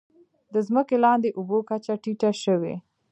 د ځمکې لاندې اوبو کچه ټیټه شوې؟